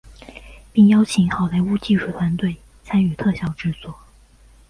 并邀请好莱坞技术团队参与特效制作。